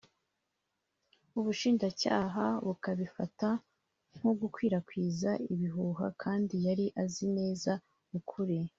ubushinjacyaha bukabifata nko gukwirakwiza ibihuha kandi yari azi neza ukuri